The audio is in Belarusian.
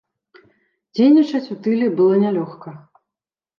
Дзейнічаць у тыле была нялёгка.